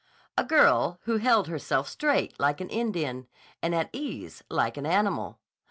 A girl who held herself straight like an Indian and at ease like an animal.